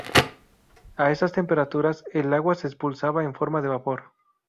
A esas temperaturas, el agua se expulsaba en forma de vapor.